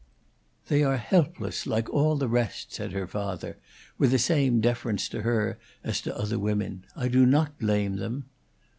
"They are helpless, like all the rest," said her father, with the same deference to her as to other women. "I do not blame them."